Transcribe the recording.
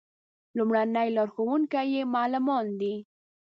لومړني لارښوونکي یې معلمان دي.